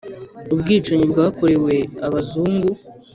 ubwicanyi bwakorewe abazungu